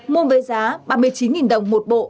mua với giá ba mươi chín đồng một bộ